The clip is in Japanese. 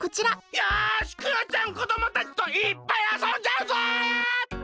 よしクヨちゃんこどもたちといっぱいあそんじゃうぞ！